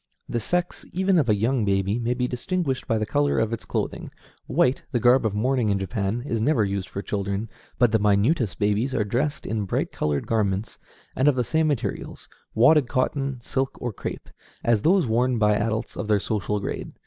The sex, even of a young baby, may be distinguished by the color of its clothing. White, the garb of mourning in Japan, is never used for children, but the minutest babies are dressed in bright colored garments, and of the same materials wadded cotton, silk, or crêpe as those worn by adults of their social grade.